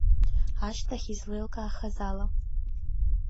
Ашьҭахь излеилкаахаз ала.